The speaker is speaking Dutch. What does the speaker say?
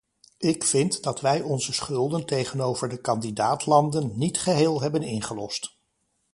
Ik vind dat wij onze schulden tegenover de kandidaat-landen niet geheel hebben ingelost.